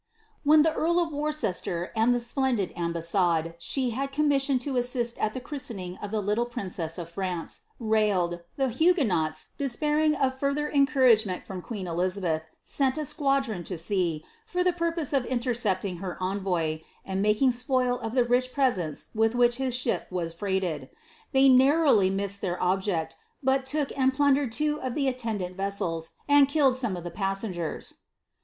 earl of Worcester, and the splendid ambassade she had i to assist at the christening of the little princess ot France, uguenots, despairing of further encouragement from queen nt a squadron to sea, for the purpose of intercepting her naking spoil of the rich presents with which his ship was ^hey narrowly missed their object, but took and plundered ttendant vessels, and killed some of the passengers.'